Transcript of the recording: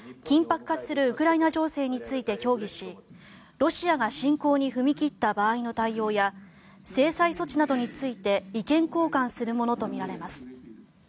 緊迫化するウクライナ情勢について協議しロシアが侵攻に踏み切った場合の対応や制裁措置などについて意見交換するものとみられます。